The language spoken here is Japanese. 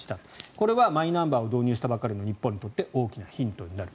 これはマイナンバーを導入したばかりの日本にとって大きなヒントになる。